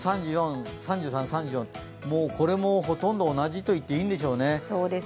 もうこれもほとんど同じといっていいんでしょうね。